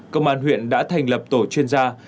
công an huyện đã thành lập tổ chuyên gia